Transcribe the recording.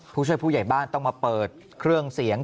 ผู้ช่วยผู้ใหญ่บ้านต้องมาเปิดเครื่องเสียง